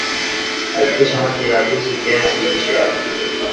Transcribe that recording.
hakikisha maji hayagusi kiazi lishe vyako